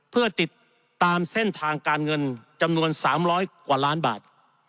เพื่อติดตามเส้นทางการเงินจำนวน๓๐๐กว่าล้านบาท